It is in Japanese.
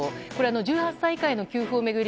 １８歳以下への給付を巡り